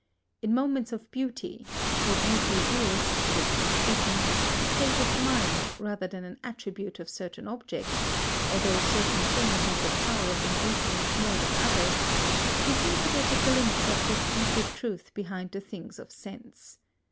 In moments of beauty (for beauty is, strictly speaking, a state of mind rather than an attribute of certain objects, although certain things have the power of inducing it more than others) we seem to get a glimpse of this deeper truth behind the things of sense.